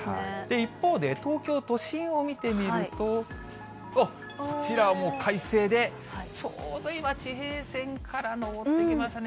一方で、東京都心を見てみると、おっ、こちらはもう快晴で、ちょうど今、地平線から昇ってきましたね。